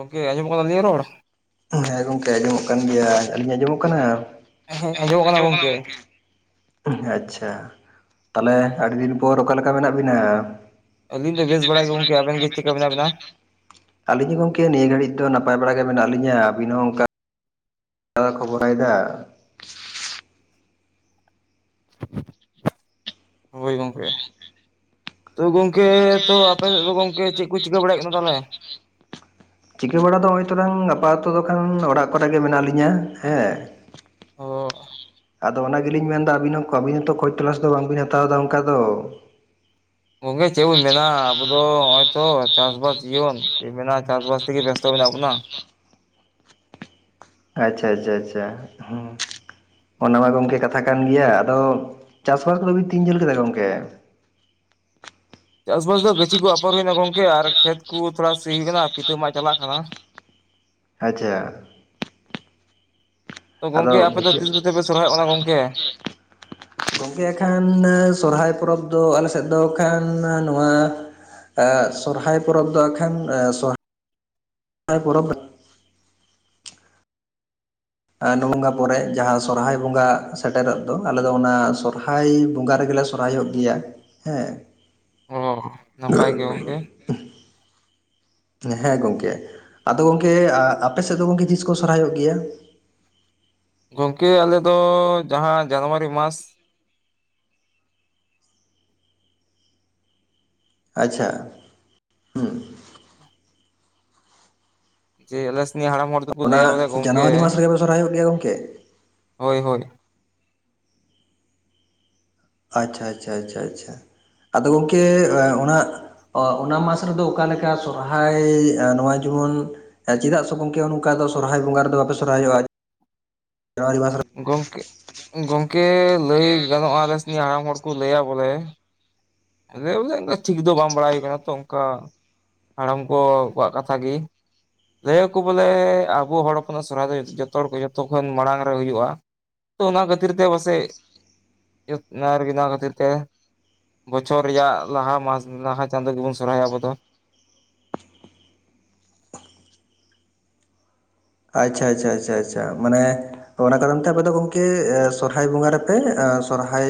ᱜᱚᱝᱠᱮ ᱟᱸᱡᱚᱢᱚᱜ ᱠᱟᱱᱟ ᱟᱹᱞᱤᱧᱟᱜ ᱨᱚᱲ? ᱦᱮᱸ ᱜᱚᱢᱠᱮ ᱟᱸᱡᱚᱢᱚᱜ ᱠᱟᱱ ᱜᱮᱭᱟ ᱟᱞᱤᱧ ᱟᱸᱡᱚᱢᱚᱜ ᱠᱟᱱᱟ? ᱦᱮᱸ ᱟᱸᱡᱚᱢᱚᱜ ᱠᱟᱱᱟ ᱜᱚᱢᱠᱮ ᱟᱪᱪᱷᱟ ᱛᱟᱦᱚᱞᱮ ᱟᱹᱰᱤᱫᱤᱱ ᱯᱚᱨ ᱚᱠᱟᱞᱮᱠᱟ ᱢᱮᱱᱟᱜ ᱵᱤᱱᱟ? ᱟᱹᱞᱤᱧ ᱟᱞᱤᱧ ᱫᱚ ᱵᱟᱲᱟ ᱵᱮᱥ ᱜᱮ ᱜᱚᱝᱠᱮ ᱵᱟᱲᱟᱜᱮ ᱜᱚᱢᱠᱮ ᱟᱵᱮᱱ ᱜᱮ ᱟᱵᱤᱱ ᱪᱮᱫᱠᱟ ᱪᱮᱫ ᱞᱮᱠᱟ ᱵᱮᱱᱟ? ᱢᱮᱱᱟᱜ ᱵᱤᱱᱟ? ᱟᱞᱤᱧ ᱦᱚᱸ ᱜᱚᱝᱠᱮ ᱱᱤᱭᱟᱹ ᱜᱷᱟᱹᱲᱤᱡ ᱫᱚ ᱱᱟᱯᱟᱭ ᱵᱟᱲᱟ ᱜᱮ ᱢᱮᱱᱟᱜ ᱞᱤᱧᱟᱹ ᱟᱵᱤᱱ ᱦᱚᱸ ᱚᱱᱠᱟᱼᱼ ᱟ ᱠᱷᱚᱵᱚᱨ ᱟᱭ ᱫᱟ ᱦᱳᱭ ᱜᱚᱢᱠᱮ ᱛᱚ ᱜᱚᱢᱼᱼ ᱜᱚᱝᱠᱮ ᱛᱚ ᱟᱯᱮ ᱥᱮᱫ ᱫᱚ ᱜᱚᱝᱠᱮ ᱪᱮᱫ ᱠᱚ ᱪᱤᱠᱟᱹ ᱵᱟᱲᱟᱭᱮᱫ ᱠᱟᱱᱟ ᱛᱟᱦᱚᱞᱮ? ᱪᱤᱠᱟᱹ ᱵᱟᱲᱟ ᱫᱚ ᱱᱚᱜᱼᱚᱭ ᱛᱚᱨᱟᱝ ᱜᱟᱯᱟᱛ ᱫᱚᱠᱷᱟᱱ ᱚᱲᱟᱜ ᱠᱚᱨᱮ ᱜᱮ ᱢᱮᱱᱟᱜ ᱞᱤᱧᱟᱹ ᱦᱮᱸ ᱾ ᱚᱜ ᱟᱫᱚ ᱚᱱᱟ ᱜᱮᱞᱤᱧ ᱢᱮᱱᱫᱟ ᱟᱹᱵᱤᱱ ᱦᱚᱸ ᱟᱹᱵᱤᱱ ᱦᱚᱸ ᱛᱚ ᱠᱷᱚᱡᱽ ᱛᱚᱞᱟᱥ ᱫᱚ ᱵᱟᱝᱵᱤᱱ ᱦᱟᱛᱟᱣ ᱮᱫᱟ ᱚᱱᱠᱟ ᱫᱚ ᱾ ᱜᱚᱢᱠᱮ ᱪᱮᱫ ᱵᱚ ᱢᱮᱱᱟ ᱟᱵᱚ ᱫᱚ ᱱᱚᱜᱼᱚᱭ ᱛᱚ ᱪᱟᱥᱵᱟᱥ ᱡᱤᱭᱚᱱ ᱪᱮᱫ ᱮᱢ ᱢᱮᱱᱟ ᱪᱟᱥᱵᱟᱥ ᱛᱮᱜᱮ ᱵᱮᱥᱛᱚ ᱢᱮᱱᱟᱜ ᱵᱚᱱᱟ ᱾ ᱟᱪᱪᱷᱟ ᱪᱷᱟ ᱪᱷᱟ ᱦᱩᱸ ᱚᱱᱟ ᱢᱟ ᱜᱚᱝᱠᱮ ᱠᱟᱛᱷᱟ ᱠᱟᱱ ᱜᱮᱭᱟ ᱟᱫᱚ ᱪᱟᱥ ᱵᱟᱥ ᱠᱚᱫᱚ ᱵᱤᱱ ᱛᱤᱧ ᱡᱟᱹᱞ ᱠᱮᱫᱟ ᱜᱚᱢᱠᱮ? ᱪᱟᱥᱵᱟᱥ ᱫᱚ ᱜᱟᱹᱪᱷᱤ ᱠᱚ ᱟᱯᱚᱨ ᱦᱩᱭᱱᱟ ᱜᱚᱝᱠᱮ ᱟᱨ ᱠᱷᱮᱛ ᱠᱚ ᱛᱷᱚᱲᱟ ᱥᱤ ᱦᱩᱭᱱᱟ ᱵᱷᱤᱛᱟᱹ ᱢᱟᱜᱽ ᱪᱟᱞᱟᱜ ᱠᱟᱱᱟ ᱾ ᱟᱪᱪᱷᱟ ᱾ ᱛᱚ ᱜᱚᱢᱠᱮ ᱟᱫᱚ ᱟᱯᱮ ᱫᱚ ᱵᱷᱤᱛᱟᱹ ᱛᱤᱥ ᱠᱚᱛᱮ ᱯᱮ ᱥᱚᱨᱦᱟᱭᱚᱜ ᱠᱟᱱᱟ ᱜᱚᱢᱠᱮ? ᱜᱚᱢᱠᱮ ᱮᱠᱷᱟᱱ ᱥᱚᱨᱦᱟᱭ ᱯᱚᱨᱚᱵᱽ ᱫᱚ ᱟᱞᱮ ᱥᱮᱫ ᱫᱚ ᱠᱷᱟᱱ ᱱᱚᱣᱟ ᱮᱸ ᱥᱚᱨᱦᱟᱭ ᱯᱚᱨᱚᱵᱽ ᱫᱚ ᱦᱟᱜ ᱠᱷᱟᱱ ᱥᱚ--ᱦᱟᱭ ᱯᱚᱨᱚᱵᱽ ᱱᱚᱸᱜᱟ ᱯᱚᱨᱮ ᱡᱟᱦᱟᱸ ᱥᱚᱨᱦᱟᱭ ᱵᱚᱸᱜᱟ ᱥᱮᱴᱮᱨᱚᱜ ᱫᱚ ᱟᱞᱮᱚ ᱚᱱᱟ ᱥᱚᱨᱦᱟᱭ ᱵᱚᱸᱜᱟ ᱨᱮᱜᱮ ᱞᱮ ᱥᱚᱨᱦᱟᱭᱚᱜ ᱜᱮᱭᱟ ᱦᱮᱸ᱾ ᱚ ᱱᱟᱯᱟᱭ ᱜᱮ ᱜᱚᱝᱠᱮ᱾ ᱦᱮᱸ ᱜᱚᱝᱠᱮ ᱟᱫᱚ ᱜᱚᱝᱠᱮ ᱟᱯᱮ ᱥᱮᱫ ᱫᱚ ᱜᱚᱝᱠᱮ ᱛᱤᱥ ᱠᱚ ᱥᱚᱨᱦᱟᱭᱚᱜ ᱜᱮᱭᱟ? ᱜᱚᱢᱠᱮ ᱟᱞᱮ ᱫᱚ ᱡᱟᱦᱟᱸ ᱡᱟᱱᱩᱣᱟᱨᱤ ᱢᱟᱥ ᱟᱪᱪᱷᱟ ᱾ ᱡᱮ ᱟᱞᱮ ᱥᱮᱱᱤᱡᱱ ᱦᱟᱲᱟᱢ ᱦᱚᱲ ᱫᱚᱠᱚ ᱚᱱᱟ ᱞᱟᱹᱭᱟ ᱵᱚᱞᱮ ᱜᱚᱝᱠᱮ ᱡᱟᱱᱩᱣᱟᱨᱤ ᱢᱟᱥ ᱨᱮᱜᱮ ᱯᱮ ᱥᱚᱨᱦᱟᱭᱚᱜ ᱜᱮᱭᱟ ᱜᱚᱝᱠᱮ? ᱦᱳᱭ ᱦᱳᱭ ᱟᱪᱪᱷᱟ ᱟᱪᱪᱷᱟ ᱟᱪᱪᱷᱟ ᱟᱪᱷᱟ ᱟᱫᱚ ᱜᱚᱝᱠᱮ ᱚᱱᱟ ᱚᱱᱟ ᱢᱟᱥ ᱨᱮᱫᱚ ᱚᱠᱟ ᱞᱮᱠᱟ ᱥᱚᱨᱦᱟᱭ ᱱᱚᱣᱟ ᱡᱮᱢᱚᱱ ᱪᱮᱫᱟᱜ ᱥᱮ ᱜᱚᱝᱠᱮ ᱱᱚᱝᱠᱟ ᱫᱚ ᱥᱚᱨᱦᱟᱭ ᱵᱚᱸᱜᱟ ᱨᱮᱫᱚ ᱵᱟᱯᱮ ᱥᱚᱨᱦᱟᱭᱚᱜᱼᱟ ᱡᱟᱱᱩᱣᱟᱨᱤ ᱢᱟᱥ ᱨᱮ ᱜᱚᱝᱠᱮ ᱜᱚᱝᱠᱮ ᱞᱟᱹᱭ ᱜᱟᱱᱚᱜᱼᱟ ᱟᱞᱮ ᱥᱮᱱᱤᱡ ᱦᱟᱲᱟᱢ ᱦᱚᱲ ᱠᱚ ᱞᱟᱹᱭᱟ ᱵᱚᱞᱮ ᱟᱨᱮ ᱵᱚᱞᱮ ᱚᱱᱠᱟ ᱴᱷᱤᱠ ᱫᱚ ᱵᱟᱝ ᱵᱟᱲᱟᱭ ᱠᱟᱱᱟ ᱛᱚ ᱚᱱᱠᱟ᱾ ᱦᱟᱲᱟᱢ ᱠᱚ ᱠᱚᱣᱟᱜ ᱠᱟᱛᱷᱟ ᱜᱮ᱾ ᱞᱟᱹᱭᱟ ᱠᱚ ᱵᱚᱞᱮ ᱟᱵᱚ ᱦᱚᱲ ᱦᱚᱯᱚᱱᱟᱜ ᱥᱚᱨᱦᱟᱭ ᱫᱚ ᱡᱚᱛᱚ ᱦᱚᱲ ᱠᱷᱚ ᱡᱚᱛᱚ ᱠᱷᱚᱱ ᱢᱟᱲᱟᱝ ᱨᱮ ᱦᱩᱭᱩᱜᱼᱟ᱾ ᱟᱫᱚ ᱚᱱᱟ ᱠᱷᱟᱹᱛᱤᱨ ᱛᱮ ᱯᱟᱥᱮᱡ ᱟᱨ ᱚᱱᱟ ᱠᱷᱟᱹᱛᱤᱨ ᱛᱮ ᱵᱚᱪᱷᱚᱨ ᱨᱮᱭᱟᱜ ᱞᱟᱦᱟ ᱢᱟᱥ ᱞᱟᱦᱟ ᱪᱟᱸᱫᱳ ᱜᱮᱵᱩᱱ ᱥᱚᱨᱦᱟᱭᱚᱜ ᱟᱵᱚ ᱫᱚ᱾ ᱟᱪᱪᱷᱟ ᱟᱪᱪᱷᱟ ᱟᱪᱪᱷᱟ ᱟᱪᱪᱷᱟ ᱢᱟᱱᱮ ᱚᱱᱟ ᱠᱟᱨᱚᱱ ᱛᱮ ᱟᱯᱮ ᱫᱚ ᱜᱚᱢᱠᱮ ᱥᱚᱨᱦᱟᱭ ᱵᱚᱸᱜᱟ ᱨᱮᱯᱮ ᱥᱚᱨᱦᱟᱭ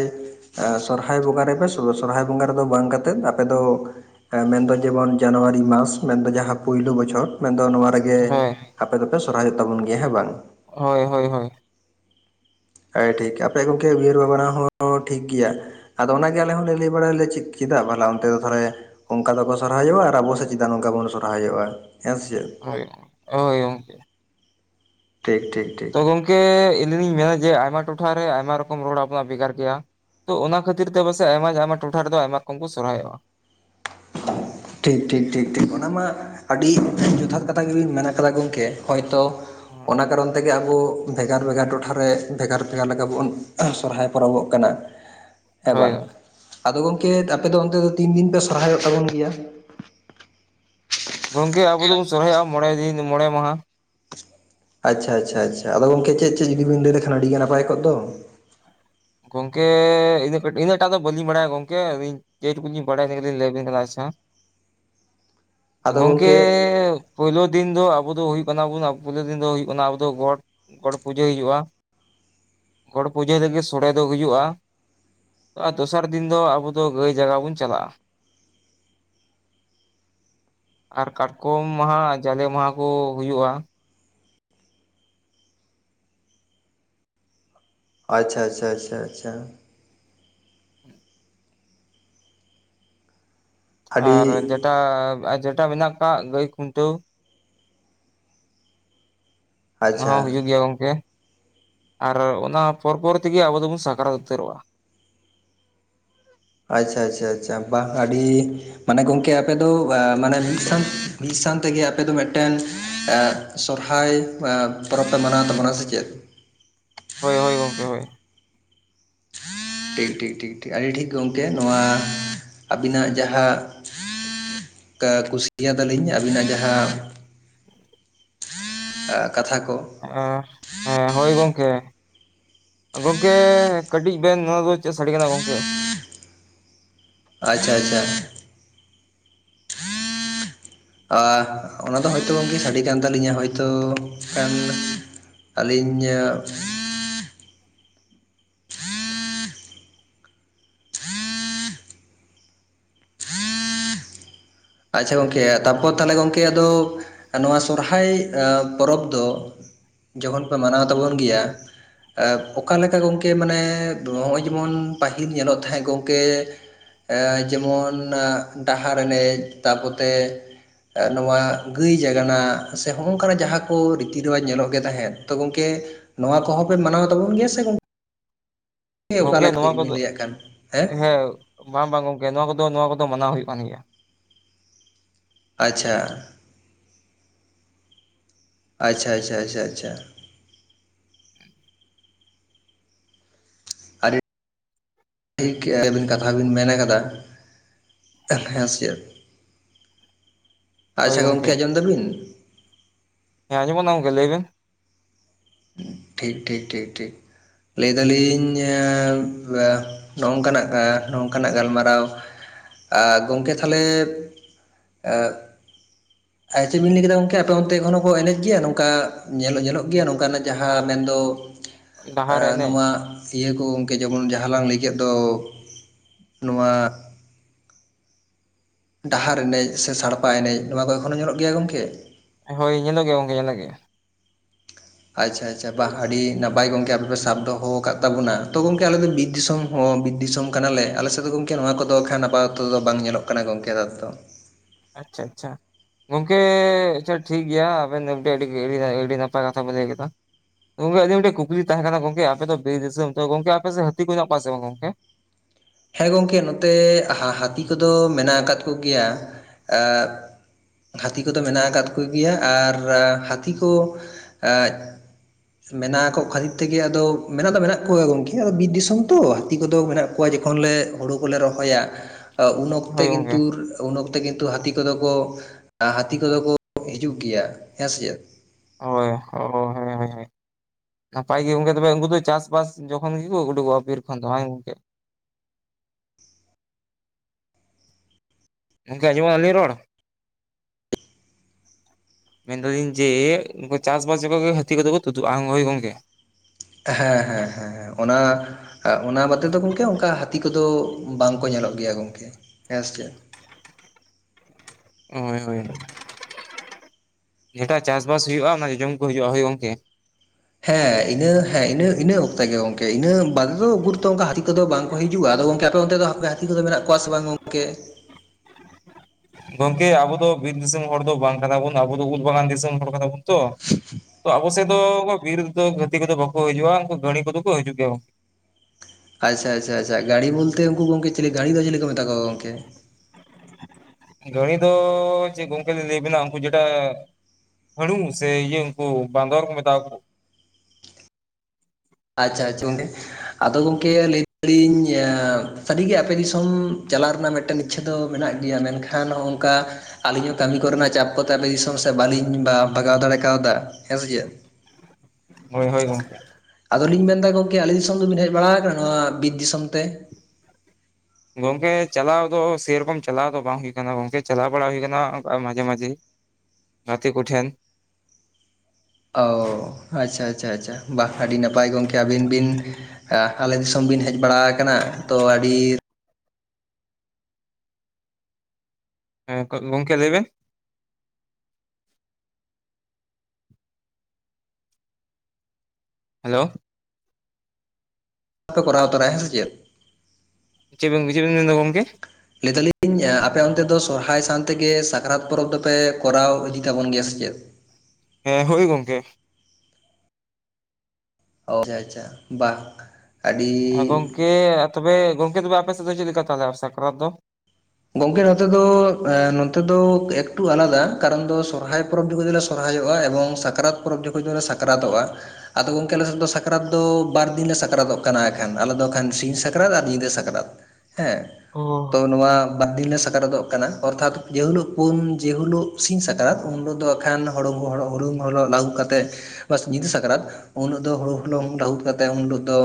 ᱮᱸ ᱥᱚᱨᱦᱟᱭ ᱵᱚᱸᱜᱟ ᱨᱮᱯᱮ ᱥᱚᱨᱚᱦᱟᱭ ᱵᱚᱸᱜᱟ ᱨᱮᱫᱚ ᱵᱟᱝ ᱠᱟᱛᱮᱫ ᱟᱯᱮ ᱫᱚ ᱢᱮᱱᱫᱚ ᱡᱮᱢᱚᱱ ᱡᱟᱱᱩᱣᱟᱨᱤ ᱢᱟᱥ ᱢᱮᱱᱫᱚ ᱡᱟᱦᱟᱸ ᱯᱩᱭᱞᱳ ᱵᱚᱪᱷᱚᱨ ᱢᱮᱱᱫᱚ ᱱᱚᱣᱟ ᱨᱮ ᱜᱮ ᱦᱳᱭ ᱟᱯᱮ ᱫᱚᱯᱮ ᱥᱚᱨᱦᱟᱭᱚᱜ ᱛᱟᱵᱚᱱ ᱜᱮᱭᱟ᱾ ᱦᱮᱸ ᱵᱟᱝ? ᱦᱳᱭ ᱦᱳᱭ ᱦᱳᱭ ᱦᱮᱭ ᱴᱷᱤᱠ ᱟᱯᱮ ᱜᱚᱢᱠᱮ ᱩᱭᱦᱟᱹᱨ ᱵᱷᱟᱵᱽᱱᱟ ᱦᱚᱸ ᱴᱷᱤᱠ ᱜᱮᱭᱟ᱾ ᱟᱫᱚ ᱚᱱᱟ ᱜᱮ ᱟᱞᱮ ᱦᱚᱸᱞᱮ ᱞᱟᱹᱭ ᱵᱟᱲᱟᱭᱟ ᱞᱮ ᱪᱮᱫ ᱪᱮᱫᱟᱜ ᱵᱷᱟᱞᱟ ᱚᱱᱛᱮ ᱫᱚ ᱛᱟᱦᱚᱞᱮ ᱚᱱᱠᱟ ᱫᱚᱠᱚ ᱥᱚᱨᱦᱟᱭᱚᱜᱼᱟ ᱟᱨ ᱟᱵᱚ ᱫᱚ ᱪᱮᱫᱟᱜ ᱱᱚᱝᱠᱟ ᱵᱚᱱ ᱥᱚᱨᱦᱟᱭᱚᱜᱼᱟ᱾ ᱦᱮᱸ ᱥᱮ ᱪᱮᱫ? ᱦᱳᱭ ᱦᱳᱭ ᱜᱚᱝᱠᱮ᱾ ᱴᱷᱤᱠ ᱴᱷᱤᱠ ᱴᱷᱤᱠ ᱜᱚᱢᱠᱮ ᱤᱱᱟᱹ ᱞᱤᱧ ᱢᱮᱱᱟ ᱡᱮ ᱟᱭᱢᱟ ᱴᱚᱴᱷᱟ ᱨᱮ ᱟᱭᱢᱟ ᱨᱚᱠᱚᱢ ᱨᱚᱲ ᱟᱵᱚᱣᱟᱜ ᱵᱷᱮᱜᱟᱨ ᱜᱮᱭᱟ᱾ ᱛᱚ ᱚᱱᱟ ᱠᱷᱟᱹᱛᱤᱨ ᱛᱮ ᱯᱟᱥᱮᱡ ᱟᱭᱢᱟ ᱟᱭᱢᱟ ᱴᱚᱴᱷᱟ ᱨᱮᱫᱚ ᱟᱭᱢᱟ ᱨᱚᱠᱚᱢ ᱠᱚ ᱥᱚᱨᱦᱟᱭᱚᱜᱼᱟ᱾ ᱴᱷᱤᱠ ᱴᱷᱤᱠ ᱴᱷᱤᱠ ᱴᱷᱤᱠ ᱚᱱᱟ ᱢᱟ ᱟᱹᱰᱤ ᱡᱚᱛᱷᱟᱛ ᱠᱟᱛᱷᱟ ᱜᱮᱵᱤᱱ ᱢᱮᱱ ᱠᱟᱫᱟ ᱜᱚᱢᱠᱮ ᱦᱚᱭᱛᱚ ᱚᱱᱟ ᱠᱟᱨᱚᱱ ᱛᱮᱜᱮ ᱟᱵᱚ ᱵᱷᱮᱜᱟᱨ ᱵᱷᱮᱜᱟᱨ ᱴᱚᱴᱷᱟᱨᱮ ᱵᱷᱮᱜᱟᱨ ᱵᱷᱮᱜᱟᱨ ᱞᱮᱠᱟ ᱵᱚᱱ ᱥᱚᱨᱦᱟᱭ ᱯᱚᱨᱚᱵᱚᱜ ᱠᱟᱱᱟ᱾ ᱦᱮᱸ ᱦᱳᱭ ᱵᱟᱝ ᱟᱫᱚ ᱜᱚᱝᱠᱮ ᱟᱯᱮ ᱫᱚ ᱚᱱᱛᱮ ᱫᱚ ᱛᱤᱱ ᱫᱤᱱ ᱯᱮ ᱥᱚᱨᱦᱟᱭᱚᱜ ᱛᱟᱵᱚᱱ ᱜᱮᱭᱟ? ᱜᱚᱝᱠᱮ ᱟᱵᱚ ᱫᱚᱵᱚᱱ ᱥᱚᱨᱚᱦᱟᱭᱚᱜᱼᱟ ᱢᱚᱬᱮ ᱫᱤᱱ ᱢᱚᱬᱮ ᱢᱟᱦᱟ᱾ ᱟᱪᱪᱷᱟ ᱟᱪᱪᱷᱟ ᱟᱪᱪᱷᱟ ᱟᱫᱚ ᱜᱚᱝᱠᱮ ᱪᱮᱫ ᱪᱮᱫ ᱡᱩᱫᱤᱵᱤᱱ ᱞᱟᱹᱭ ᱞᱮᱠᱷᱟᱱ ᱟᱹᱰᱤ ᱜᱮ ᱱᱟᱯᱟᱭ ᱠᱚᱜ ᱫᱚ᱾ ᱜᱚᱢᱠᱮ ᱤᱱᱟᱹ ᱤᱱᱟᱹᱴᱟᱜ ᱫᱚ ᱵᱟᱹᱞᱤᱧ ᱵᱟᱲᱟᱭᱟ ᱜᱚᱝᱠᱮ ᱟᱹᱞᱤᱧ ᱪᱮᱴ ᱠᱚᱧ ᱵᱟᱲᱟᱭ ᱮᱱᱟ ᱮᱱᱟᱠᱚ ᱜᱮ ᱞᱤᱧ ᱞᱟᱹᱭᱟᱵᱤᱱ ᱠᱟᱱᱟ ᱟᱪᱪᱷᱟ᱾ [inaudible] ᱟᱫᱚ ᱜᱚᱝᱠᱮ ᱜᱚᱢᱠᱮ ᱯᱳᱭᱞᱳ ᱫᱤᱱ ᱫᱚ ᱟᱵᱚ ᱫᱚ ᱦᱳᱭᱳᱜ ᱠᱟᱱᱟ ᱵᱚᱱ ᱯᱳᱭᱞᱳ ᱫᱤᱱ ᱫᱚ ᱦᱳᱭᱳᱜ ᱠᱟᱱᱟ ᱟᱵᱚ ᱫᱚ ᱜᱚᱴ ᱜᱚᱴ ᱯᱩᱡᱟᱹ ᱦᱩᱭᱩᱜᱼᱟ ᱜᱚᱴ ᱯᱩᱡᱟᱹ ᱨᱮᱜᱮ ᱥᱚᱬᱮ ᱫᱚ ᱦᱩᱭᱩᱜᱼᱟ᱾ ᱚᱱᱟ ᱫᱚᱥᱟᱨ ᱫᱤᱱ ᱫᱚ ᱟᱵᱚ ᱫᱚ ᱜᱟᱹᱭ ᱡᱟᱜᱟᱣ ᱵᱚᱱ ᱪᱟᱞᱟᱜᱼᱟ᱾ ᱟᱨ ᱠᱟᱴᱠᱚᱢ ᱢᱟᱦᱟ ᱡᱟᱞᱮ ᱢᱟᱦᱟ ᱠᱚ ᱦᱩᱭᱩᱜᱼᱟ᱾ ᱟᱪᱪᱷᱟ ᱟᱪᱪᱷᱟ ᱟᱪᱪᱷᱟ ᱟᱪᱪᱷᱟ ᱟᱹᱰᱤ ᱟᱨ ᱡᱮᱴᱟ ᱡᱮᱴᱟ ᱢᱮᱱᱟᱜ ᱟᱠᱟᱜ ᱜᱟᱹᱭ ᱠᱷᱩᱱᱴᱟᱹᱣ᱾ ᱚᱱᱟ ᱦᱚᱸ ᱟᱪᱪᱷᱟ ᱦᱩᱭᱩᱜ ᱜᱮᱭᱟ ᱜᱚᱢᱠᱮ ᱟᱨ ᱚᱱᱟ ᱯᱚᱨ ᱯᱚᱨ ᱛᱮᱜᱮ ᱟᱵᱚ ᱫᱚᱵᱚᱱ ᱥᱟᱠᱨᱟᱛ ᱩᱛᱟᱹᱨᱚᱜᱼᱟ᱾ ᱟᱪᱪᱷᱟ ᱟᱪᱪᱷᱟ ᱟᱪᱷᱟ ᱵᱟᱦ ᱟᱰᱤ ᱢᱟᱱᱮ ᱜᱚᱢᱠᱮ ᱟᱯᱮ ᱫᱚ ᱢᱟᱱᱮ ᱢᱤᱫ ᱥᱟᱶ ᱛᱮᱜᱮ ᱟᱯᱮ ᱫᱚ ᱢᱮᱫᱴᱮᱱ ᱥᱚᱨᱦᱟᱭ ᱯᱚᱨᱚᱵᱽ ᱯᱮ ᱢᱟᱱᱟᱣ ᱛᱟᱵᱚᱱᱟ ᱥᱮ ᱪᱮᱫ? ᱦᱳᱭ ᱦᱳᱭ ᱜᱚᱢᱠᱮ ᱦᱳᱭ ᱴᱷᱤᱠ ᱴᱷᱤᱠ ᱴᱷᱤᱠ ᱴᱷᱤᱠ ᱟᱹᱰᱤ ᱴᱷᱤᱠ ᱜᱚᱢᱠᱮ ᱱᱚᱣᱟ ᱟᱵᱤᱱᱟᱜ ᱡᱟᱦᱟᱸ ᱠᱩᱥᱤᱠᱮᱭᱟᱫᱟᱞᱤᱧ ᱟᱹᱵᱤᱱᱟᱜ ᱡᱟᱦᱟᱸ ᱟᱸ ᱠᱟᱛᱷᱟ ᱠᱚ᱾ ᱚᱸ ᱦᱮᱸ ᱦᱳᱭ ᱜᱚᱢᱠᱮ᱾ ᱜᱚᱝᱠᱮ ᱠᱟᱹᱴᱤᱡ ᱵᱮᱱ ᱱᱚᱣᱟ ᱫᱚ ᱪᱮᱫ ᱥᱟᱰᱮ ᱠᱟᱱᱟ ᱜᱚᱝᱠᱮ᱾ ᱟᱪᱪᱷᱟ ᱟᱪᱪᱷᱟ, ᱟᱨ ᱚᱱᱟ ᱫᱚ ᱦᱚᱭᱛᱳ ᱜᱚᱢᱠᱮ ᱥᱟᱰᱮ ᱠᱟᱱ ᱛᱟᱞᱤᱧᱟ ᱦᱚᱭᱛᱳ ᱠᱟᱱ ᱟᱹᱞᱤᱧ ᱟᱪᱪᱷᱟ ᱜᱚᱝᱠᱮ ᱛᱟᱯᱚᱨ ᱛᱟᱦᱚᱞᱮ ᱜᱚᱢᱠᱮ ᱟᱫᱚ ᱱᱚᱣᱟ ᱥᱚᱨᱚᱦᱟᱭ ᱯᱚᱨᱚᱵᱽ ᱫᱚ ᱡᱚᱠᱷᱚᱱ ᱯᱮ ᱢᱟᱱᱟᱣ ᱛᱟᱵᱚᱱ ᱜᱮᱭᱟ ᱚᱠᱟ ᱞᱮᱠᱟ ᱜᱚᱢᱠᱮ ᱢᱟᱱᱮ ᱱᱚᱜ-ᱚᱭ ᱡᱮᱢᱚᱱ ᱯᱟᱹᱦᱤᱞ ᱧᱮᱞᱚᱜ ᱛᱟᱦᱮᱸᱜ ᱜᱚᱢᱠᱮ ᱡᱮᱢᱚᱱ ᱰᱟᱦᱟᱨ ᱮᱱᱮᱡ ᱛᱟᱯᱚᱛᱮ ᱱᱚᱣᱟ ᱜᱟᱹᱭ ᱡᱟᱜᱟᱱᱟ ᱥᱮ ᱦᱚᱸᱜ-ᱚᱭ ᱱᱚᱝᱠᱟᱱᱟᱜ ᱡᱟᱦᱟᱸ ᱠᱚ ᱨᱤᱛᱤ ᱨᱮᱣᱟᱡᱽ ᱧᱮᱞᱚᱜ ᱜᱮ ᱛᱟᱦᱮᱸᱫ ᱛᱚ ᱜᱚᱝᱠᱮ ᱱᱚᱣᱟ ᱠᱚᱦᱚᱸ ᱯᱮ ᱢᱟᱱᱟᱣ ᱛᱟᱵᱚᱱ ᱜᱮᱭᱟ ᱥᱮ ᱜᱚᱝ ᱜᱚᱝᱠᱮ ᱱᱚᱣᱟ ᱵᱤᱱ ᱠᱚᱫᱚ ᱞᱟᱹᱭᱟᱜ ᱠᱟᱱ ᱦᱮᱸ ᱵᱟᱝ ᱵᱟᱝ ᱜᱚᱝᱠᱮ ᱱᱚᱣᱟ ᱠᱚᱫᱚ ᱱᱚᱣᱟ ᱠᱚᱫᱚ ᱢᱟᱱᱟᱣ ᱦᱩᱭᱩᱜ ᱠᱟᱱ ᱜᱮᱭᱟ, ᱟᱪᱪᱷᱟ ᱟᱪᱪᱷᱟ ᱟᱪᱪᱷᱟ ᱟᱪᱪᱷᱟ ᱟᱪᱪᱷᱟ ᱟᱹᱰᱤ ᱴᱷᱤᱠ ᱟᱵᱤᱱ ᱠᱟᱛᱷᱟ ᱠᱟᱛᱷᱟᱵᱤᱱ ᱢᱮᱱ ᱟᱠᱟᱫᱟ ᱦᱮᱸᱥᱮᱫ, ᱦᱳᱭ ᱟᱪᱪᱷᱟ ᱜᱚᱝᱠᱮ ᱜᱚᱢᱠᱮ ᱟᱡᱚᱢ ᱫᱟᱵᱤᱱ ᱦᱮᱸ ᱟᱡᱚᱢᱚᱜ ᱠᱟᱱᱟ ᱜᱚᱢᱠᱮ ᱞᱟᱹᱭᱵᱤᱱ ᱴᱷᱤᱠ ᱴᱷᱤᱠ ᱴᱷᱤᱠ ᱴᱷᱤᱠ ᱞᱟᱹᱭᱫᱟᱞᱤᱧ ᱱᱚᱝᱠᱟᱱᱟᱜ ᱱᱚᱝᱠᱟᱱᱟᱜ ᱜᱟᱞᱢᱟᱨᱟᱣ ᱟᱨ ᱜᱚᱝᱠᱮ ᱛᱟᱦᱞᱮ ᱟᱪᱮᱫ ᱵᱤᱱ ᱞᱟᱹᱭ ᱠᱮᱫᱟ ᱜᱚᱝᱠᱮ ᱟᱯᱮ ᱚᱱᱛᱮ ᱮᱠᱷᱚᱱ ᱠᱚ ᱮᱱᱮᱡ ᱜᱮᱭᱟ ᱱᱚᱝᱠᱟ ᱧᱮᱞ ᱧᱮᱞᱚᱜ ᱜᱮᱭᱟ ᱱᱚᱝᱠᱟᱱᱟᱜ ᱡᱟᱦᱟᱸ ᱢᱮᱱᱫᱚ ᱮ ᱰᱟᱦᱟᱨ ᱮᱱᱮᱡ ᱱᱚᱣᱟ ᱤᱭᱟᱹ ᱠᱚ ᱜᱚᱢᱠᱮ ᱡᱮᱢᱚᱱ ᱡᱟᱦᱟᱸ ᱞᱟᱝ ᱞᱟᱹᱭ ᱠᱮᱫ ᱫᱚ ᱱᱚᱣᱟ ᱰᱟᱦᱟᱨ ᱮᱱᱮᱡ ᱥᱮ ᱥᱟᱲᱯᱟ ᱮᱱᱮᱡ ᱱᱚᱣᱟ ᱠᱚ ᱮᱠᱷᱚᱱ ᱦᱚᱸ ᱧᱮᱞᱚᱜ ᱜᱮᱭᱟ ᱜᱚᱝᱠᱮ ᱦᱳᱭ ᱧᱮᱞᱚᱜ ᱜᱮ ᱜᱚᱝᱠᱮ ᱧᱮᱞᱚᱜ ᱜᱮᱭᱟ ᱟᱪᱪᱷᱟ ᱟᱪᱪᱷᱟ ᱵᱟ ᱟᱹᱰᱤ ᱱᱟᱯᱟᱭ ᱜᱚᱝᱠᱮ ᱟᱯᱮᱯᱮ ᱥᱟᱵ ᱫᱚᱦᱚ ᱠᱟᱜ ᱛᱟᱵᱚᱱᱟ ᱛᱚ ᱜᱚᱝᱠᱮ ᱟᱞᱮ ᱫᱚ ᱵᱤᱨ ᱫᱤᱥᱚᱢ ᱦᱚᱸ ᱵᱤᱨ ᱫᱤᱥᱚᱢ ᱠᱟᱱᱟᱞᱮ ᱟᱞᱮᱥᱮᱫ ᱫᱚ ᱜᱚᱝᱠᱮ ᱱᱚᱣᱟ ᱠᱚᱫᱚ ᱠᱷᱟᱱ ᱟᱵᱟᱛᱚᱛᱚ ᱫᱚ ᱵᱟᱝ ᱧᱮᱞᱚᱜ ᱠᱟᱱᱟ ᱜᱚᱝᱠᱮ ᱛᱚᱛᱛᱚ ᱟᱪᱪᱷᱟ ᱟᱪᱪᱷᱟ ᱜᱚᱝᱠᱮ ᱟᱪᱪᱷᱟ ᱴᱷᱤᱠ ᱜᱮᱭᱟ ᱟᱵᱮᱱ [unintelligible] ᱟᱹᱰᱤ ᱟᱹᱰᱤ ᱱᱟᱯᱟᱭ ᱠᱟᱛᱷᱟ ᱵᱮᱱ ᱞᱟᱹᱭ ᱠᱮᱫᱟ ᱜᱚᱝᱠᱮ ᱟᱹᱰᱤ ᱢᱤᱫᱴᱮᱱ ᱠᱩᱠᱞᱤ ᱛᱟᱦᱮᱸ ᱠᱟᱱᱟ ᱜᱚᱝᱠᱮ ᱟᱯᱮ ᱫᱚ ᱵᱤᱨ ᱫᱤᱥᱚᱢ ᱛᱚ ᱜᱚᱝᱠᱮ ᱟᱯᱮ ᱥᱮ ᱦᱟᱹᱛᱤ ᱠᱚ ᱦᱮᱱᱟᱜ ᱠᱚᱣᱟ ᱥᱮ ᱵᱟᱝ ᱜᱚᱢᱠᱮ ᱦᱮᱸ ᱜᱚᱢᱠᱮ ᱱᱚᱛᱮ ᱦᱟᱹᱛᱤ ᱠᱚᱫᱚ ᱢᱮᱱᱟᱜ ᱟᱠᱟᱫ ᱠᱚᱜᱮᱭᱟ ᱦᱟᱹᱛᱤ ᱠᱚᱫᱚ ᱢᱮᱱᱟᱜ ᱟᱠᱟᱫ ᱠᱚᱜᱮᱭᱟ ᱟᱨ ᱦᱟᱹᱛᱤ ᱠᱚ ᱮ ᱥ ᱢᱮᱱᱟᱜ ᱠᱚ ᱠᱷᱟᱹᱛᱤᱨ ᱛᱮᱜᱮ ᱟᱫᱚ ᱢᱮᱱᱟᱜ ᱫᱚ ᱢᱮᱱᱟᱜ ᱠᱚᱣᱟ ᱜᱚᱝᱠᱮ ᱟᱫᱚ ᱵᱤᱨ ᱫᱤᱥᱚᱢ ᱛᱚ ᱦᱟᱹᱛᱤ ᱠᱚᱫᱚ ᱢᱮᱱᱟᱜ ᱠᱚᱣᱟ ᱡᱮ ᱡᱚᱠᱷᱚᱱ ᱞᱮ ᱦᱳᱲᱳ ᱠᱚᱞᱮ ᱨᱚᱦᱚᱭᱟ ᱩᱱ ᱚᱠᱛᱮ ᱦᱳᱭ ᱜᱚᱝᱠᱮ ᱠᱤᱱᱛᱩ ᱩᱱ ᱚᱠᱛᱮ ᱠᱤᱱᱛᱩ ᱦᱟᱹᱛᱤ ᱠᱚᱫᱚ ᱠᱚ ᱦᱟᱹᱛᱤ ᱠᱚᱫᱚ ᱠᱚ ᱦᱤᱡᱩᱜ ᱜᱮᱭᱟ ᱦᱮᱸᱥᱮ ᱪᱮᱫ ᱦᱳᱭ ᱦᱳᱭ ᱦᱳᱭ ᱱᱟᱯᱟᱭ ᱜᱮ ᱜᱚᱝᱠᱮ ᱛᱚᱵᱮ ᱩᱱᱠᱩ ᱫᱚ ᱪᱟᱥᱵᱟᱥ ᱡᱚᱠᱷᱚᱱ ᱜᱮᱠᱚ ᱩᱰᱩᱠᱚᱜ-ᱟ ᱵᱤᱨ ᱠᱷᱚᱱ ᱫᱚ ᱦᱮᱸ ᱜᱚᱝᱠᱮ, ᱜᱚᱝᱠᱮ ᱟᱡᱚᱢᱚᱜ-ᱟ ᱟᱞᱤᱧᱟᱜ ᱨᱚᱲ? ᱢᱮᱱ ᱫᱟᱞᱤᱧ ᱡᱮ ᱩᱱᱠᱩ ᱪᱟᱥ ᱵᱟᱥ ᱡᱚᱠᱷᱚ ᱜᱮ ᱦᱟᱹᱛᱤ ᱠᱚ ᱫᱚᱠᱚ ᱛᱩᱫᱩᱜ-ᱟ ᱦᱳᱭ ᱜᱚᱝᱠᱮ ᱦᱮᱸ ᱦᱮᱸ ᱦᱮᱸ ᱚᱱᱟ ᱚᱱᱟ ᱵᱟᱫᱚ ᱜᱚᱢᱠᱮ ᱚᱱᱠᱟ ᱦᱟᱹᱛᱤ ᱠᱚᱫᱚ ᱵᱟᱝᱠᱚ ᱧᱮᱞᱚᱜ ᱜᱮᱭᱟ ᱜᱚᱢᱠᱮ ᱦᱮᱸᱥᱮ ᱪᱮᱫ ᱦᱳᱭ ᱦᱳᱭ ᱡᱮᱴᱟᱜ ᱪᱟᱥᱵᱟᱥ ᱦᱩᱭᱩᱜ-ᱟ ᱚᱱᱟ ᱡᱚ-ᱡᱚᱢ ᱠᱚ ᱦᱤᱡᱩᱜ-ᱟ ᱦᱳᱭ ᱜᱚᱝᱠᱮ ᱦᱮᱸ ᱤᱱᱟᱹ ᱦᱮᱸ ᱤᱱᱟᱹ ᱤᱱᱟᱹ ᱚᱠᱛᱮ ᱜᱮ ᱜᱚᱝᱠᱮ ᱤᱱᱟᱹ ᱵᱟᱫᱮ ᱜᱩᱨᱩᱛᱛᱮ ᱦᱟᱹᱛᱤ ᱠᱚᱫᱚ ᱵᱟᱝ ᱠᱚ ᱦᱤᱡᱩᱜᱼᱟ ᱟᱫᱚ ᱜᱚᱝᱠᱮ ᱟᱯᱮ ᱚᱱᱛᱮ ᱫᱚ ᱦᱟᱹᱛᱤ ᱠᱚᱫᱚ ᱢᱮᱱᱟᱜ ᱠᱚᱣᱟ ᱥᱮ ᱵᱟᱝ ᱜᱚᱝᱠᱮ ᱜᱚᱝᱠᱮ ᱟᱵᱚ ᱫᱚ ᱵᱤᱨ ᱫᱤᱥᱚᱢ ᱦᱚᱲ ᱫᱚ ᱵᱟᱝ ᱠᱟᱱᱟ ᱵᱚᱱ ᱟᱵᱚ ᱫᱚ ᱩᱞ ᱵᱟᱜᱟᱱ ᱫᱤᱥᱚᱢ ᱦᱚᱲ ᱠᱟᱱᱟ ᱵᱚᱱ ᱛᱚ ᱚᱵᱚ ᱥᱮᱫ ᱫᱚ ᱵᱤᱨ ᱫᱚ ᱦᱟᱹᱛᱤ ᱠᱚᱫᱚ ᱵᱟᱠᱚ ᱦᱤᱡᱩᱜᱼᱟ ᱩᱱᱠᱩ ᱜᱟᱹᱲᱤ ᱠᱚᱫᱚ ᱠᱚ ᱦᱤᱡᱩᱜ ᱜᱮᱭᱟ ᱟᱪᱪᱷᱟ ᱟᱪᱪᱷᱟ ᱟᱪᱪᱷᱟ ᱜᱟᱹᱲᱤ ᱵᱚᱞᱛᱮ ᱩᱱᱠᱩ ᱜᱚᱢᱠᱮ ᱜᱟᱹᱲᱤ ᱫᱚ ᱪᱮᱫ ᱞᱮᱠᱟ ᱠᱚ ᱢᱮᱛᱟ ᱠᱚᱣᱟ ᱜᱚᱢᱠᱮ ᱜᱟᱹᱲᱤ ᱫᱚ ᱪᱮᱫ ᱜᱚᱝᱠᱮ ᱞᱟᱹᱭ ᱵᱮᱱᱟ ᱩᱱᱠᱩ ᱡᱮᱴᱟ ᱦᱟᱸᱲᱩ ᱥᱮ ᱤᱭᱟᱹ ᱩᱱᱠᱩ ᱵᱟᱸᱫᱚᱨ ᱠᱚ ᱢᱮᱛᱟ ᱠᱚ ᱟᱪᱪᱷᱟ ᱟᱪᱷᱟ [unintelligible] ᱰᱮ ᱟᱫᱚ ᱜᱚᱝᱠᱮ ᱞᱟᱹᱭ ᱫᱟᱞᱤᱧ ᱥᱟᱹᱨᱤ ᱜᱮ ᱟᱯᱮ ᱫᱤᱥᱚᱢ ᱪᱟᱞᱟᱣ ᱨᱮᱱᱟᱜ ᱢᱤᱫᱴ ᱢᱤᱫᱴᱮᱱ ᱤᱪᱪᱷᱟᱹ ᱫᱚ ᱢᱮᱱᱟᱜ ᱜᱮᱭᱟ ᱢᱮᱱᱠᱷᱟᱱ ᱱᱚᱜᱼ ᱱᱚᱝᱠᱟ ᱟᱹᱞᱤᱧ ᱦᱚᱸ ᱠᱟᱹᱢᱤ ᱠᱚᱨᱮ ᱱᱟᱜ ᱪᱟᱯ ᱠᱚᱛᱮ ᱟᱞᱮ ᱫᱤᱥᱚᱢ ᱥᱮᱫ ᱵᱟᱹᱞᱤᱧ ᱵᱷᱟᱜᱟᱣ ᱫᱟᱲᱮ ᱠᱟᱣᱫᱟ ᱦᱮᱸᱥᱮ ᱪᱮᱫ ᱦᱳᱭ ᱦᱳᱭ ᱜᱚᱝᱠᱮ ᱟᱫᱚᱞᱤᱧ ᱢᱮᱱ ᱮᱫᱟ ᱜᱚᱢᱠᱮ ᱟᱞᱮ ᱫᱤᱥᱚᱢ ᱫᱚᱵᱤᱱ ᱦᱮᱡ ᱵᱟᱲᱟ ᱟᱠᱟᱱᱟ ᱱᱚᱣᱟ ᱵᱤᱨ ᱫᱤᱥᱚᱢ ᱛᱮ ᱜᱚᱝᱠᱮ ᱪᱟᱞᱟᱣ ᱫᱚ ᱥᱮᱨᱚᱠᱚᱢ ᱪᱟᱞᱟᱣ ᱫᱚ ᱵᱟᱝ ᱦᱩᱭ ᱟᱠᱟᱱᱟ ᱜᱚᱝᱠᱮ ᱪᱟᱞᱟᱣ ᱵᱟᱲᱟ ᱦᱩᱭ ᱟᱠᱟᱱᱟ ᱢᱟᱡᱷᱮ ᱢᱟᱡᱮ ᱜᱟᱛᱮ ᱠᱚᱴᱷᱮᱱ ᱚ ᱟᱪᱪᱷᱟ ᱟᱪᱪᱷᱟ ᱟᱪᱪᱷᱟ ᱵᱟ ᱟᱹᱰᱤ ᱱᱟᱯᱟᱭ ᱜᱚᱢᱠᱮ ᱟᱹᱵᱤᱱ ᱵᱤᱱ ᱟᱞᱮ ᱫᱤᱥᱚᱢ ᱵᱤᱱ ᱦᱮᱡ ᱵᱟᱲᱟ ᱟᱠᱟᱱᱟ ᱛᱚ ᱟᱹᱰᱤ ᱦᱮᱸ ᱜᱚᱝᱠᱮ ᱞᱟᱹᱭ ᱵᱤᱱ ᱦᱮᱞᱳ ᱠᱚᱨᱟᱣ ᱛᱟᱨᱟᱭᱟ ᱦᱮᱸ ᱥᱮ ᱪᱮᱫ ᱪᱮᱫ ᱵᱮᱱ ᱪᱮᱫ ᱵᱮᱱ ᱢᱮᱱ ᱮᱫᱟ ᱜᱚᱢᱠᱮ ᱞᱟᱹᱭ ᱫᱟᱞᱤᱧ ᱟᱯᱮ ᱚᱱᱛᱮ ᱫᱚ ᱥᱚᱨᱦᱟᱭ ᱥᱟᱶ ᱛᱮᱜᱮ ᱥᱟᱠᱨᱟᱛ ᱯᱚᱨᱚᱵᱽ ᱫᱚᱯᱮ ᱠᱚᱨᱟᱣ ᱤᱫᱤ ᱛᱟᱵᱚᱱ ᱜᱮᱭᱟ ᱥᱮ ᱪᱮᱫ ᱦᱮᱸ ᱦᱳᱭ ᱜᱚᱝᱠᱮ ᱚ ᱟᱪᱪᱷᱟ ᱟᱪᱪᱷᱟ ᱵᱟ ᱟᱹᱰᱤ ᱛᱚᱵᱮ ᱜᱚᱝᱠᱮ ᱜᱚᱝᱠᱮ ᱛᱚᱵᱮ ᱟᱯᱮ ᱥᱟᱛᱮ ᱪᱮᱫ ᱞᱮᱠᱟ ᱛᱟᱦᱚᱞᱮ ᱥᱟᱠᱨᱟᱛ ᱫᱚ ᱜᱚᱝᱠᱮ ᱱᱚᱛᱮ ᱫᱚ ᱱᱚᱛᱮ ᱫᱚ ᱮᱠᱴᱩ ᱟᱞᱟᱫᱟ ᱠᱟᱨᱚᱱ ᱫᱚ ᱥᱚᱨᱦᱟᱭ ᱯᱚᱨᱚᱵᱽ ᱡᱚᱠᱷᱚᱡ ᱫᱚ ᱞᱮ ᱥᱚᱨᱦᱟᱭᱚᱜᱼᱟ ᱮᱵᱚᱝ ᱥᱟᱠᱨᱟᱛ ᱯᱚᱨᱚᱵᱽ ᱡᱚᱠᱷᱚᱚᱡ ᱫᱚᱞᱮ ᱥᱟᱠᱨᱟᱛᱚᱜᱼᱟ ᱟᱫᱚ ᱜᱚᱢᱠᱮ ᱟᱞᱮ ᱥᱮᱫ ᱫᱚ ᱥᱟᱠᱨᱟᱛ ᱫᱚ ᱵᱟᱨ ᱫᱤᱱ ᱞᱮ ᱥᱟᱠᱨᱟᱛᱚᱜ ᱠᱟᱱᱟ ᱮᱠᱷᱟᱱ ᱟᱞᱮ ᱫᱚ ᱮᱱᱠᱷᱟᱱ ᱥᱤᱧ ᱥᱟᱠᱨᱟᱛ ᱟᱨ ᱧᱤᱫᱟᱹ ᱥᱟᱠᱨᱟᱛ ᱦᱮᱸ ᱚ ᱛᱚ ᱱᱚᱣᱟ ᱵᱟᱨ ᱫᱤᱱ ᱞᱮ ᱥᱟᱠᱨᱟᱛᱚᱜ ᱠᱟᱱᱟ ᱚᱨᱛᱷᱟᱛ ᱡᱮᱦᱤᱞᱳᱜ ᱩᱢ ᱡᱮᱦᱤᱞᱳᱜ ᱥᱤᱧ ᱥᱟᱠᱨᱟᱛ ᱩᱱ ᱦᱤᱞᱳᱜ ᱫᱚ ᱠᱷᱟᱱ ᱦᱚᱲ ᱦᱩᱲᱩᱜ ᱞᱟᱦᱩᱫ ᱠᱟᱛᱮᱫ ᱵᱟ ᱧᱤᱫᱟᱹ ᱥᱟᱠᱨᱟᱛ ᱩᱱ ᱦᱤᱞᱳᱜ ᱫᱚ ᱦᱩᱲᱩ ᱦᱩᱲᱩᱝ ᱞᱟᱹᱦᱩᱫ ᱠᱟᱛᱮᱫ ᱩᱱ ᱦᱤᱞᱳᱜ ᱫᱚ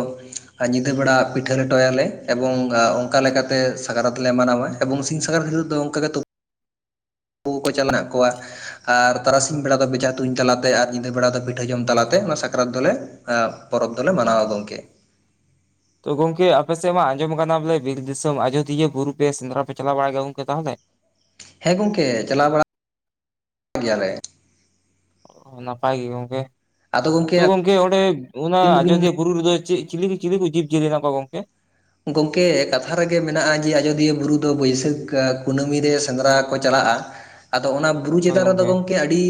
ᱧᱤᱫᱟᱹ ᱵᱮᱲᱟ ᱯᱤᱴᱷᱟᱹ ᱞᱮᱴᱚ ᱭᱟᱞᱮ ᱮᱵᱚᱝ ᱚᱱᱠᱟ ᱞᱮᱠᱟ ᱛᱮ ᱥᱟᱠᱨᱟᱛ ᱞᱮ ᱢᱟᱱᱟᱣᱟ ᱮᱵᱚᱝ ᱥᱤᱧ ᱥᱟᱠᱨᱟᱛ ᱦᱤᱞᱚᱜ ᱫᱚ ᱜᱮ ᱛᱩᱯ ᱩ ᱠᱚ ᱪᱚ ᱢᱮᱱᱟᱜ ᱠᱚᱣᱟ ᱟᱨ ᱛᱟᱨᱟᱥᱤᱧ ᱵᱮᱲᱟ ᱫᱚ ᱵᱮᱡᱷᱟ ᱛᱩᱧ ᱛᱟᱞᱟ ᱛᱮ ᱟᱨ ᱧᱤᱫᱟᱹ ᱵᱮᱲᱟ ᱫᱚ ᱯᱤᱴᱷᱟᱹ ᱡᱚᱢ ᱛᱟᱞᱟ ᱛᱮ ᱚᱱᱟ ᱥᱟᱠᱨᱟᱛ ᱫᱚᱞᱮ ᱯᱚᱨᱚᱵᱽ ᱫᱚᱞᱮ ᱢᱟᱱᱟᱣᱟ ᱜᱚᱝᱠᱮ ᱛᱚ ᱜᱚᱝᱠᱮ ᱟᱯᱮ ᱥᱮᱫ ᱢᱟ ᱟᱸᱡᱚᱢ ᱠᱟᱱᱟ ᱵᱚᱞᱮ ᱵᱤᱨ ᱫᱤᱥᱚᱢ ᱟᱡᱚᱫᱤᱭᱟᱹ ᱵᱩᱨᱩ ᱯᱮ ᱥᱮᱸᱫᱽᱨᱟ ᱯᱮ ᱪᱟᱞᱟᱣ ᱵᱟᱲᱟᱜ ᱜᱮᱭᱟ ᱜᱚᱝᱠᱮ ᱛᱟᱦᱚᱞᱮ ᱦᱮᱸ ᱜᱚᱝᱠᱮ ᱪᱟᱞᱟᱣ ᱵᱟᱲᱟ ᱜᱮᱭᱟᱞᱮ ᱱᱟᱯᱟᱭ ᱜᱮ ᱜᱚᱢᱠᱮ ᱟᱫᱚ ᱜᱚᱝᱠᱮ ᱛᱚ ᱜᱚᱢᱠᱮ ᱚᱸᱰᱮ ᱚᱱᱟ ᱟᱹᱵᱤᱱ ᱫᱚᱵᱤᱱ ᱟᱡᱚᱫᱤᱭᱟᱹ ᱵᱩᱨᱩ ᱨᱮᱫᱚ ᱪᱤᱞᱤ ᱠᱚ ᱪᱤᱞᱤ ᱠᱚ ᱡᱤᱵᱽ ᱡᱤᱭᱟᱹᱞᱤ ᱢᱮᱱᱟᱜ ᱠᱚᱣᱟ ᱜᱚᱝᱠᱮ ᱜᱚᱢᱠᱮ ᱠᱟᱛᱷᱟ ᱨᱮ ᱜᱮ ᱢᱮᱱᱟᱜᱼᱟ ᱡᱮ ᱟᱡᱳᱫᱤᱭᱟᱹ ᱵᱩᱨᱩ ᱫᱚ ᱵᱟᱹᱭᱥᱟᱹᱠᱷ ᱠᱩᱱᱟᱹᱢᱤ ᱨᱮ ᱥᱮᱸᱫᱽᱨᱟ ᱠᱚ ᱪᱟᱞᱟᱜᱼᱟ ᱟᱫᱚ ᱚᱱᱟ ᱵᱩᱨᱩ ᱪᱮᱛᱟᱱ ᱨᱮᱫᱚ ᱜᱚᱝᱠᱮ ᱟᱹᱰᱤ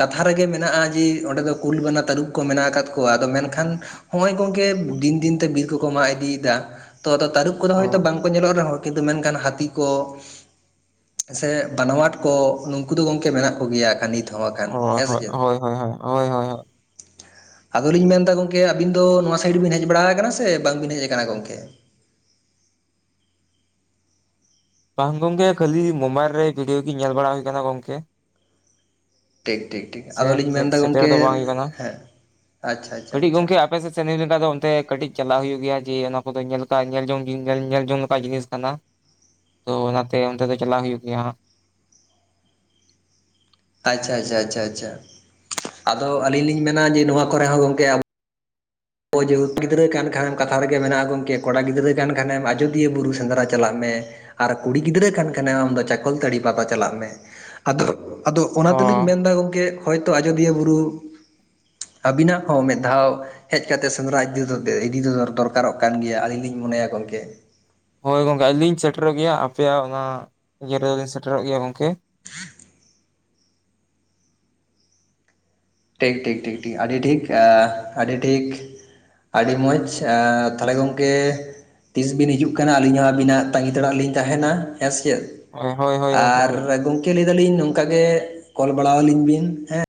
ᱠᱟᱛᱷᱟ ᱨᱮᱜᱮ ᱢᱮᱱᱟᱜᱼᱟ ᱡᱮ ᱚᱸᱰᱮ ᱫᱚ ᱠᱩᱞ ᱵᱟᱱᱟ ᱛᱟᱹᱨᱩᱵᱽ ᱠᱚ ᱢᱮᱱᱟᱜ ᱟᱠᱟᱫ ᱠᱚᱣᱟ ᱟᱫᱚ ᱢᱮᱱᱠᱷᱟᱱ ᱦᱚᱭ ᱜᱚᱝᱠᱮ ᱫᱤᱱ ᱫᱤᱱ ᱛᱮ ᱵᱤᱨ ᱠᱚᱠᱚ ᱢᱟᱜ ᱤᱫᱤ ᱭᱮᱫᱟ ᱛᱚ ᱟᱫᱚ ᱛᱟᱹᱨᱩᱵᱽ ᱠᱚᱫᱚ ᱚ ᱦᱚᱭᱛᱚ ᱵᱟᱝ ᱠᱚ ᱧᱮᱞᱚᱜ ᱨᱮᱦᱚᱸ ᱠᱤᱱᱛᱩ ᱢᱮᱱᱠᱷᱟᱱ ᱦᱟᱹᱛᱤ ᱠᱚ ᱥᱮ ᱵᱟᱱᱟᱣᱟᱴ ᱠᱚ ᱱᱩᱠᱩ ᱫᱚ ᱜᱚᱝᱠᱮ ᱢᱮᱱᱟᱜ ᱠᱚ ᱜᱮᱭᱟ ᱠᱟᱹ ᱱᱤᱛ ᱦᱚᱸ ᱟᱠᱷᱟᱱ ᱚ ᱦᱮᱸ ᱦᱚ ᱥᱮ ᱪᱮᱫ ᱦᱚᱭ ᱦᱚᱭ ᱦᱚᱭ ᱦᱚᱭ ᱟᱫᱚ ᱞᱤᱧ ᱢᱮᱱᱫᱟ ᱜᱚᱢᱠᱮ ᱟᱹᱵᱤᱱ ᱫᱚ ᱱᱚᱣᱟ ᱥᱟᱭᱤᱰ ᱵᱤᱱ ᱦᱮᱡ ᱵᱟᱲᱟ ᱟᱠᱟᱱᱟ ᱥᱮ ᱵᱟᱝ ᱵᱤᱱ ᱦᱮᱡ ᱟᱠᱟᱱᱟ ᱜᱚᱢᱠᱮ? ᱵᱟᱝ ᱜᱚᱝᱠᱮ ᱠᱷᱟᱹᱞᱤ ᱢᱳᱵᱟᱭᱤᱞ ᱨᱮ ᱵᱷᱤᱰᱭᱳ ᱜᱤ ᱧᱮᱞ ᱵᱟᱲᱟ ᱦᱩᱭ ᱟᱠᱟᱱᱟ ᱜᱚᱝᱠᱮ ᱴᱷᱤᱠ ᱴᱷᱤᱠ ᱴᱷᱤᱠ ᱥᱮ ᱟᱫᱚᱞᱤᱧ ᱴᱷᱤᱠ ᱢᱮᱱᱫᱟ ᱥᱮᱴᱮᱨ ᱜᱚᱢᱠᱮ ᱫᱚ ᱵᱟᱝ ᱦᱩᱭ ᱠᱟᱱᱟ ᱦᱮᱸ ᱟᱪᱪᱷᱟ [inaudible] ᱟᱪᱪᱷᱟ ᱠᱟᱹᱴᱤᱡ ᱟᱪᱪᱷᱟ ᱜᱚᱢᱠᱮ ᱟᱯᱮᱥᱮᱫ ᱥᱮᱱ ᱞᱮᱱᱠᱷᱟᱱ ᱫᱚ ᱚᱱᱛᱮ ᱠᱟᱹᱴᱤᱡ ᱪᱟᱞᱟᱣ ᱦᱩᱭᱩᱜ ᱜᱮᱭᱟ ᱡᱮ ᱚᱱᱟ ᱠᱚᱫᱚ ᱧᱮᱞ ᱞᱮᱠᱟ ᱧᱮᱞ ᱡᱚᱝ ᱧᱮᱞ ᱧᱮᱞ ᱡᱚᱝ ᱞᱮᱠᱟ ᱡᱤᱱ ᱠᱟᱱᱟ ᱛᱚ ᱚᱱᱟᱛᱮ ᱚᱱᱛᱮ ᱫᱚ ᱪᱟᱞᱟᱣ ᱦᱩᱭᱩᱜ ᱜᱮᱭᱟ ᱦᱟᱜ ᱟᱪᱪᱷᱟ ᱟᱪᱪᱷᱟ ᱪᱷᱟ ᱪᱷᱟ ᱟᱫᱚ ᱟᱹᱞᱤᱧ ᱞᱤᱧ ᱢᱮᱱᱟ ᱡᱮ ᱱᱚᱣᱟ ᱠᱚᱨᱮ ᱦᱚᱸ ᱜᱚᱝᱠᱮ ᱟᱵᱚ ᱱᱚᱜ ᱚᱭ ᱡᱮ ᱠᱩᱲᱤ ᱜᱤᱫᱽᱨᱟᱹ ᱠᱷᱟᱱᱮ ᱠᱟᱛᱷᱟ ᱨᱮᱜᱮ ᱢᱮᱱᱟᱜᱼᱟ ᱜᱚᱢᱠᱮ ᱠᱚᱲᱟ ᱜᱤᱫᱽᱨᱟᱹ ᱠᱟᱱ ᱠᱷᱟᱱᱮᱢ ᱟᱡᱚᱫᱤᱭᱟᱹ ᱵᱩᱨᱩ ᱥᱮᱸᱫᱽᱨᱟ ᱪᱟᱞᱟᱜ ᱢᱮ ᱟᱨ ᱠᱩᱲᱤ ᱜᱤᱫᱽᱨᱟᱹ ᱠᱟᱱ ᱠᱷᱟᱱᱮᱢ ᱟᱢᱫᱚ ᱪᱟᱠᱚᱞᱛᱟᱹᱲᱤ ᱯᱟᱛᱟ ᱪᱟᱞᱟᱜ ᱢᱮ ᱟᱫᱚ ᱟᱫᱚ ᱚᱱᱟ ᱚ ᱛᱮᱞᱤᱧ ᱢᱮᱱ ᱮᱫᱟ ᱜᱚᱢᱠᱮ ᱦᱚᱳᱭᱛᱳ ᱟᱡᱚᱫᱤᱭᱟᱹ ᱵᱩᱨᱩ ᱟᱹᱵᱤᱱᱟᱜ ᱦᱚᱸ ᱢᱤᱫ ᱫᱷᱟᱣ ᱦᱮᱡ ᱠᱟᱛᱮ ᱥᱮᱸᱫᱽᱨᱟ ᱤᱫᱤ ᱫᱚ ᱤᱫᱤ ᱫᱚ ᱫᱚᱨᱠᱟᱨᱚᱜ ᱠᱟᱱ ᱜᱮᱭᱟ ᱟᱹᱞᱤᱧ ᱞᱤᱧ ᱢᱚᱱᱮᱭᱟ ᱜᱚᱢᱠᱮ ᱦᱳᱭ ᱜᱚᱢᱠᱮ ᱟᱹᱞᱤᱧ ᱥᱮᱴᱮᱨᱚᱜ ᱜᱮᱭᱟ ᱟᱯᱮᱭᱟᱜ ᱚᱱᱟ ᱤᱭᱟᱹ ᱨᱮᱞᱤᱧ ᱥᱮᱴᱮᱨᱚᱜ ᱜᱮᱭᱟ ᱜᱚᱢᱠᱮ [inaudible] ᱴᱷᱤᱠ ᱴᱷᱤᱠ ᱴᱷᱤᱠ ᱴᱷᱤᱠ ᱟᱹᱰᱤ ᱴᱷᱤᱠ [unintelligible] ᱟᱹᱰᱤ ᱴᱷᱤᱠ ᱟᱹᱰᱤ ᱢᱚᱡᱽ [unintelligible] ᱛᱟᱦᱚᱞᱮ ᱜᱚᱢᱠᱮ ᱛᱤᱥᱵᱤᱱ ᱦᱤᱡᱩᱜ ᱠᱟᱱᱟ ᱟᱹᱞᱤᱧ ᱦᱚᱸ ᱟᱹᱵᱤᱱᱟᱜ ᱛᱟᱺᱜᱤ ᱛᱟᱲᱟᱨᱮᱞᱤᱧ ᱛᱟᱦᱮᱱᱟ ᱦᱮᱸ ᱥᱮᱪᱮᱫ ᱦᱳᱭ ᱦᱳᱭ ᱦᱳᱭ ᱜᱚᱝᱠᱮ ᱟᱨ ᱦᱳᱭ ᱜᱚᱢᱠᱮ ᱞᱟᱹᱭ ᱫᱟᱞᱤᱧ ᱱᱚᱝᱠᱟ ᱜᱮ ᱠᱚᱞ ᱵᱟᱲᱟᱣᱟᱞᱤᱧ ᱵᱤᱱ ᱦᱮᱸ